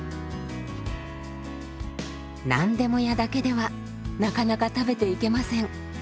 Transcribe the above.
何でも屋だけではなかなか食べていけません。